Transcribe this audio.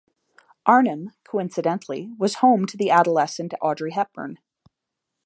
Arnhem, coincidentally, was home to the adolescent Audrey Hepburn.